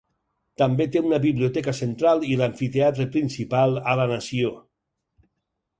També té una biblioteca central i l'amfiteatre principal a la nació.